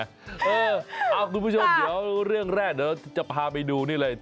คุณผู้ชมเดี๋ยวเรื่องแรกเดี๋ยวจะพาไปดูนี่เลย